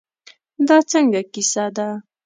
دا څنګه کیسه ده.